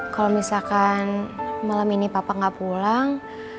kalau misalkan malam ini papa nggak pulang